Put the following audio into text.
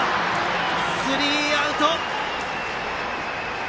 スリーアウト。